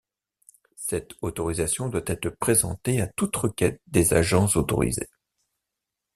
Cette autorisation doit être présentée à toute requête des agents autorisés.